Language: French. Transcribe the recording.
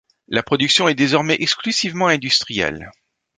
La production est désormais exclusivement industrielle.